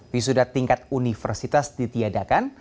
wisuda tingkat universitas ditiadakan